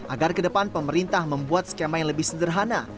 agar ke depan pemerintah membuat skema yang lebih sederhana